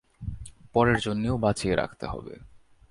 পরের জন্যেও বাঁচিয়ে রাখতে হবে।